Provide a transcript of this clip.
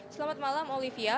selamat malam olivia